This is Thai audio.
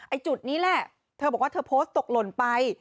จุดนี้แหละเธอบอกว่าเธอโพสต์ตกหล่นไป